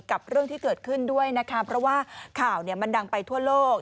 กับเรื่องที่เกิดขึ้นด้วยนะคะเพราะว่าข่าวมันดังไปทั่วโลก